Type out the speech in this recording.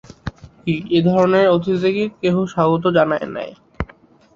এই ধরনের অতিথিকে কেহ স্বাগত জানায় নাই।